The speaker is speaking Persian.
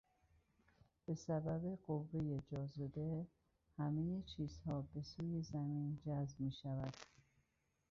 بسبب قوهٔ جاذبه همه چیزها بسوی زمین جذب میشود.